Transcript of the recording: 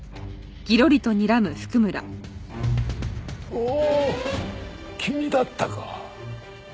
おお君だったか。